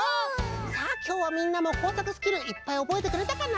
さあきょうはみんなもこうさくスキルいっぱいおぼえてくれたかな？